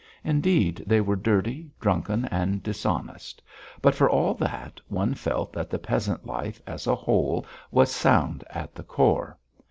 Indeed they were dirty, drunken, and dishonest, but for all that one felt that the peasant life as a whole was sound at the core.